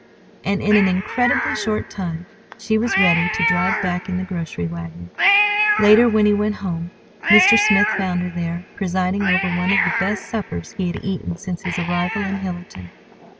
And in an incredibly short time she was ready to drive back in the grocery wagon. Later, when he went home, Mr. Smith found her there, presiding over one of the best suppers he had eaten since his arrival in Hillerton.